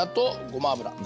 ごま油。